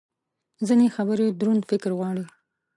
ځینې خبرې دروند فکر غواړي.